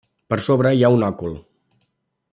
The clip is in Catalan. Per sobre hi ha un òcul.